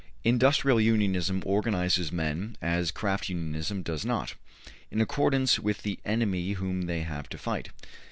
Industrial unionism organizes men, as craft unionism does not, in accordance with the enemy whom they have to fight.